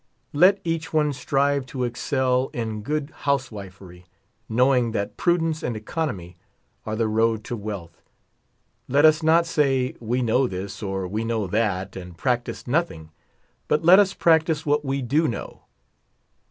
Let each one strive to excel in good housewifery^ know ing that prudence and economy are the road to wealth. Let us not say, we know this, or, we know that, and prac tice nothing ; but let us practice what we do know.